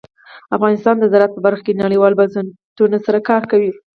افغانستان د زراعت په برخه کې نړیوالو بنسټونو سره کار کوي.